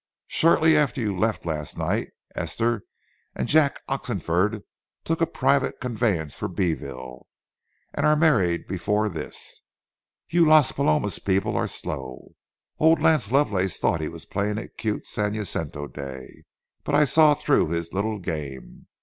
"Shortly after you left last night, Esther and Jack Oxenford took a private conveyance for Beeville, and are married before this. You Las Palomas people are slow. Old Lance Lovelace thought he was playing it cute San Jacinto Day, but I saw through his little game.